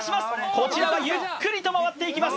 こちらはゆっくりと回っていきます